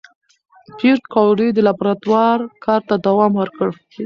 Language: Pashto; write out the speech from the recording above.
پېیر کوري د لابراتوار کار ته دوام ورکړ.